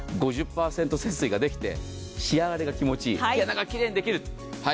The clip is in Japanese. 節水ができて、仕上がりが気持ちいい、なんかきれいにできる。